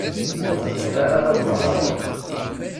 Ur bɣiɣ ara ad nehreɣ.